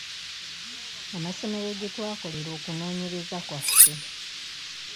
Amasomero gye etwakolera okunoonyereza kwaffe.